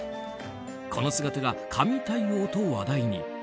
この姿が神対応と話題に。